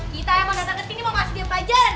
kita emang datang ke sini mau ngasih pelajaran